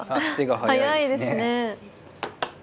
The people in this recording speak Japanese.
速いですね。